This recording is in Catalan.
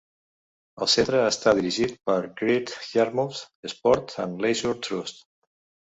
El centre està dirigit pel "Great Yarmouth Sport and leisure Trust".